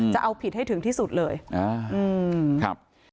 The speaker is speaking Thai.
จะเอาผิดให้ถึงที่สุดเลยอ่าอืมครับ